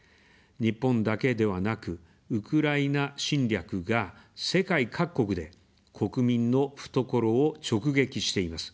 日本だけではなく、ウクライナ侵略が世界各国で国民の懐を直撃しています。